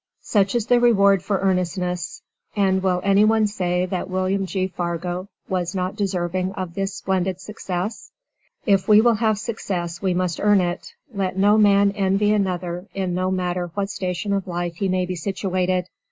Such is the reward for earnestness. And will any one say that William G. Fargo was not deserving of this splendid success? If we will have success we must earn it. Let no man envy another in no matter what station of life he may be situated.